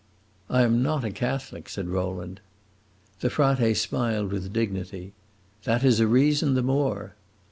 "I am not a Catholic," said Rowland. The frate smiled with dignity. "That is a reason the more."